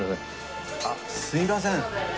あっすみません。